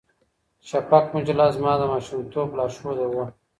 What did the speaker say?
شفق مجله زما د ماشومتوب لارښوده وه.